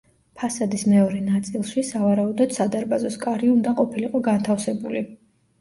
ფასადის მეორე ნაწილში, სავარაუდოდ, სადარბაზოს კარი უნდა ყოფილიყო განთავსებული.